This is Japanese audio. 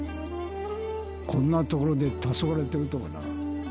こんな所でたそがれてるとはな。